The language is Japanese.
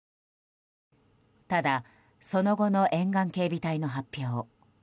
ただ、その後の沿岸警備隊の発表。